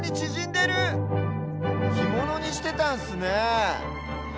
ひものにしてたんすねえ。